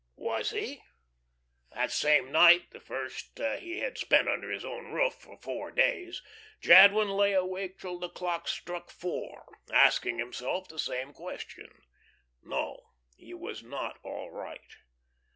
Was he? That same night, the first he had spent under his own roof for four days, Jadwin lay awake till the clocks struck four, asking himself the same question. No, he was not all right.